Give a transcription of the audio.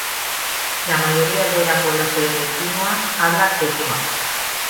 La mayoría de la población de Quinua habla quechua.